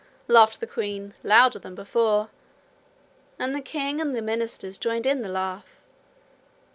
laughed the queen louder than before, and the king and the minister joined in the laugh.